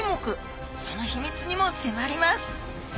その秘密にも迫ります！